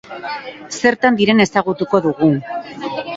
Zertan diren ezagutuko dugu.